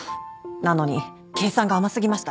なのに計算が甘過ぎました。